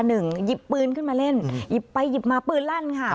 หยิบปืนขึ้นมาเล่นหยิบไปหยิบมาปืนลั่นค่ะ